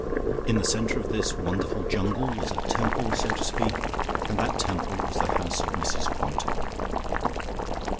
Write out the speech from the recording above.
In the centre of this wonderful jungle was a temple, so to speak, and that temple was the house of Mrs Quantock....